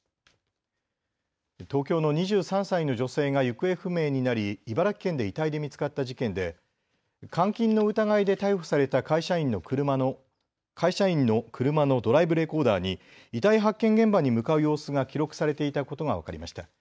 東京の２３歳の女性が行方不明になり茨城県で遺体で見つかった事件で監禁の疑いで逮捕された会社員の車のドライブレコーダーに遺体発見現場に向かう様子が記録されていたことが分かりました。